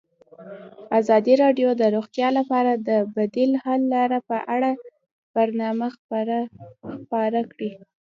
ازادي راډیو د روغتیا لپاره د بدیل حل لارې په اړه برنامه خپاره کړې.